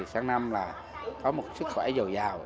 sáng năm là có một sức khỏe giàu giàu